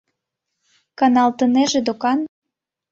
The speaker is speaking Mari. Каналтынеже докан.